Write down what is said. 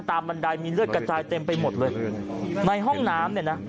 บันไดมีเลือดกระจายเต็มไปหมดเลยในห้องน้ำเนี่ยนะ